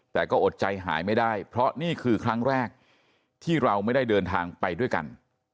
แต่ก็อดใจหายไม่ได้เพราะนี่คือครั้งแรกที่เราไม่ได้เดินทางไปด้วยกัน